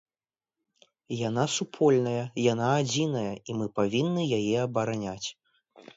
Яна супольная, яна адзіная, і мы павінны яе абараняць.